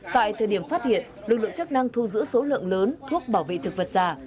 tại thời điểm phát hiện lực lượng chức năng thu giữ số lượng lớn thuốc bảo vệ thực vật giả